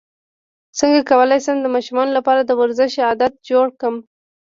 څنګه کولی شم د ماشومانو لپاره د ورزش عادت جوړ کړم